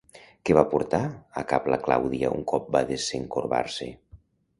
Què va portar a cap la Clàudia un cop va desencorbar-se?